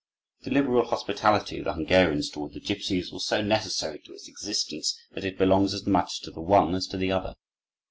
The liberal hospitality of the Hungarians toward the gipsies was so necessary to its existence that it belongs as much to the one as to the other.